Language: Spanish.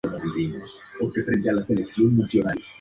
La música representa la muerte de un artista.